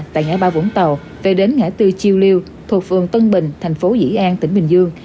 tại ngã ba vũng tàu về đến ngã tư chiêu liêu thuộc phường tân bình thành phố dĩ an tỉnh bình dương